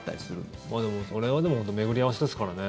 でも、それは巡り合わせですからね。